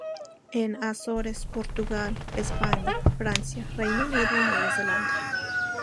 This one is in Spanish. En Azores, Portugal, España, Francia, Reino Unido y Nueva Zelanda.